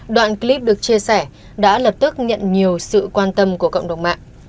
đoạn clip được chia sẻ đã lập tức nhận nhiều sự quan tâm của cộng đồng mạng